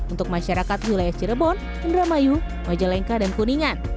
untuk masyarakat wilayah cirebon indramayu majalengka dan kuningan